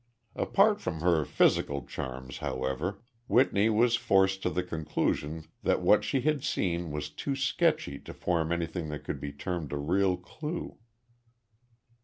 Apart from her physical charms, however, Whitney was forced to the conclusion that what she had seen was too sketchy to form anything that could be termed a real clue.